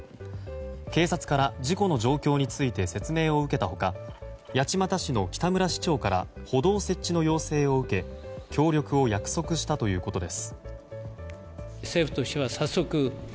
警察から事故の状況について説明を受けた他八街市の北村市長から歩道設置の要請を受け協力を約束したということです。